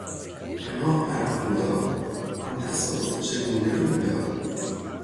پناه بر خدا! آن تصادف چگونه روی داد؟